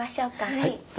はい。